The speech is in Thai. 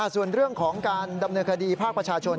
ส่วนเรื่องของการดำเนินคดีภาคประชาชน